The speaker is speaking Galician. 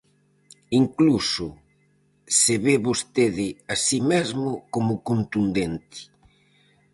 Incluso se ve vostede a si mesmo como contundente.